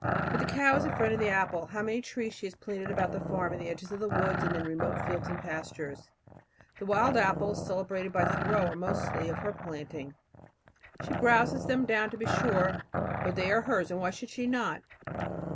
But the cow is the friend of the apple. How many trees she has planted about the farm, in the edge of the woods, and in remote fields and pastures. The wild apples, celebrated by Thoreau, are mostly of her planting. She browses them down to be sure, but they are hers, and why should she not?